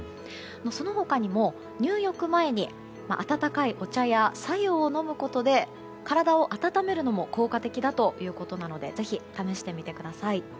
その他にも入浴前に温かいお茶や白湯を飲むことで体を温めるのも効果的だということなのでぜひ試してみてください。